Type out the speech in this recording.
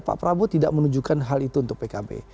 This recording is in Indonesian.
pak prabowo tidak menunjukkan hal itu untuk pkb